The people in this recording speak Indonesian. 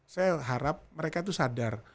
saya harap mereka itu sadar